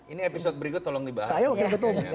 ini episode berikut tolong dibahas